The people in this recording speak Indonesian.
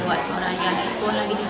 akan kutipan tidak tidak